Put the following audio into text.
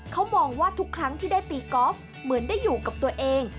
เขามองว่าทุกครั้งที่ได้ตีกอล์ฟเหมือนได้อยู่กับตัวเอง